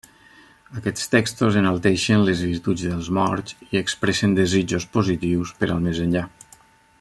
Aquests textos enalteixen les virtuts dels morts i expressen desitjos positius per al més enllà.